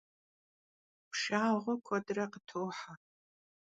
Pşşağue kuedre khıtohe.